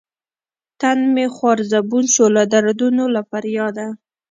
تن مې خوار زبون شو لۀ دردونو له فرياده